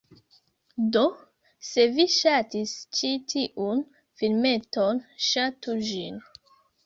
Do, se vi ŝatis ĉi tiun filmeton, ŝatu ĝin